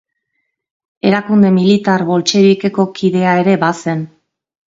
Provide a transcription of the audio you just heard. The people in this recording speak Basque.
Erakunde Militar Boltxebikeko kidea ere bazen.